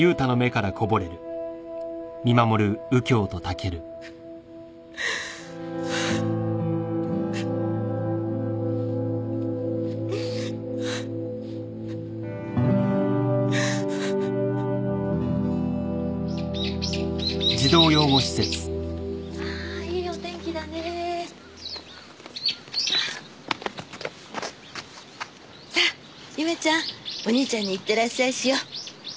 さあ祐芽ちゃんお兄ちゃんにいってらっしゃいしよう。